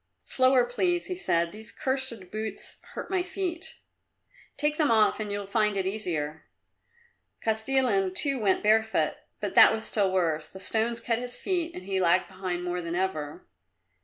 "Slower, please," he said, "these cursed boots hurt my feet." "Take them off and you'll find it easier." Kostilin too went barefoot, but that was still worse. The stones cut his feet and he lagged behind more than ever.